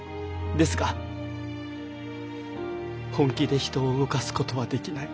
ですが本気で人を動かすことはできない。